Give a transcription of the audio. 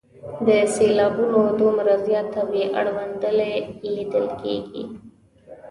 د سېلابونو دومره زیاته بې انډولي لیدل کیږي.